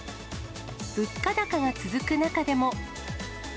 物価高が続く中でも。